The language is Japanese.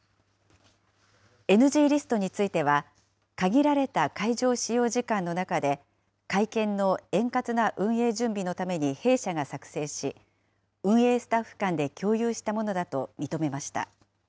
ＮＧリストについては、限られた会場使用時間の中で会見の円滑な運営準備のために弊社が作成し、運営スタッフ間で共有したものだと認めました。